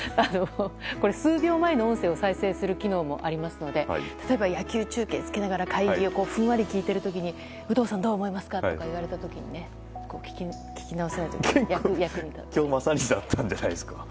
これ、数秒前の音声を再生する機能もありますので例えば、野球中継をつけながら会議をふんわり聞いているときに有働さん、どう思いますか？って聞かれた時に聞き直せるとか役に立ちそうですね。